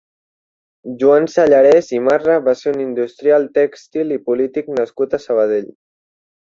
Joan Sallarès i Marra va ser un industrial tèxtil i polític nascut a Sabadell.